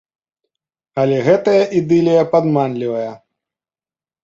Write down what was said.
Але гэтая ідылія падманлівая.